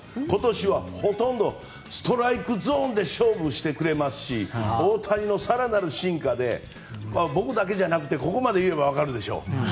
今年はほとんどストライクゾーンで勝負してくれますし大谷の更なる進化で僕だけじゃなくてここまで言えば分かるでしょ。